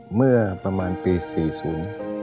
เหมือประมาณปี๔๐